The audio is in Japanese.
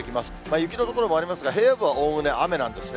雪の所もありますが、平野部はおおむね雨なんですね。